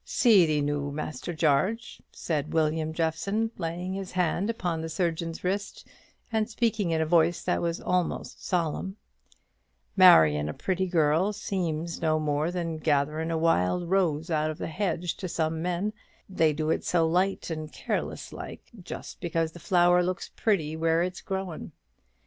"Si'thee noo. Master Jarge," said William Jeffson, laying his hand upon the surgeon's wrist, and speaking in a voice that was almost solemn, "marryin' a pretty girl seems no more than gatherin' a wild rose out of the hedge to some men, they do it so light and careless like, just because the flower looks pretty where it's growin'.